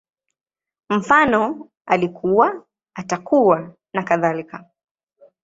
Mfano, Alikuwa, Atakuwa, nakadhalika